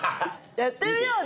やってみよう！